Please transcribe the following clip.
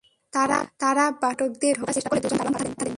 তারা বাসার ফটক দিয়ে ভেতরে ঢোকার চেষ্টা করলে দুজন দারোয়ান বাধা দেন।